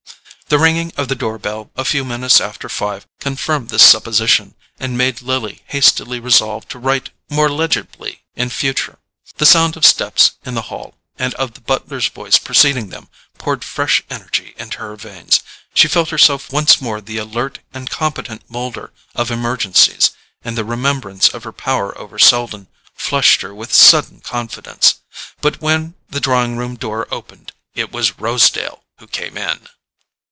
The ringing of the door bell a few minutes after five confirmed this supposition, and made Lily hastily resolve to write more legibly in future. The sound of steps in the hall, and of the butler's voice preceding them, poured fresh energy into her veins. She felt herself once more the alert and competent moulder of emergencies, and the remembrance of her power over Selden flushed her with sudden confidence. But when the drawing room door opened it was Rosedale who came in.